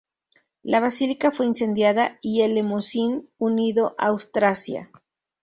La basílica fue incendiada y el Lemosín unido a Austrasia.